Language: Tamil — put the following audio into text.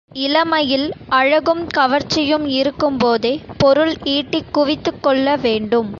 இளமையில் அழகும் கவர்ச்சியும் இருக்கும்போதே பொருள் ஈட்டிக் குவித்துக் கொள்ள வேண்டும்.